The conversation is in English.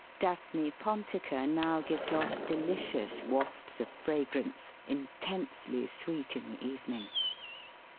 Daphne pontica now gives off delicious wafts of fragrance, intensely sweet in the evening.